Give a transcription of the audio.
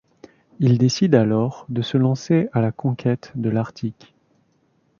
Il décide alors de se lancer à la conquête de l'Arctique.